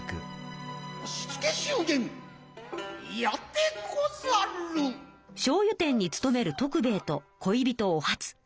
しょうゆ店につとめる徳兵衛と恋人お初。